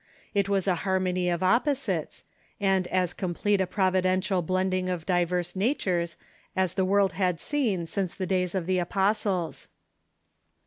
It was a harmony of op posites, and as complete a providential blending of diverse natures as the world had seen since the days of the apostles.